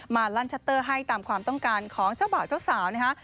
ลั่นชัตเตอร์ให้ตามความต้องการของเจ้าบ่าวเจ้าสาวนะฮะ